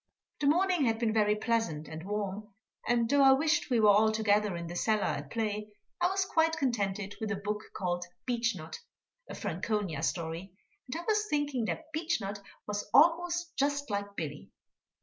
The morning had been very pleasant and warm, and though I wished we were all together in the cellar at play, I was quite contented with a book called Beechnut, a Franconia story, and I was thinking that Beechnut was almost just like Billy.